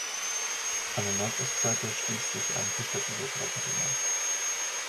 An der Nordostseite schließt sich ein vierstöckiger Glockenturm an.